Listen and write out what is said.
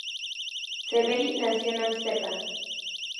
Savery nació en Ámsterdam.